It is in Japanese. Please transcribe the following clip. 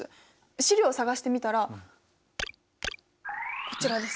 資料を探してみたらこちらです。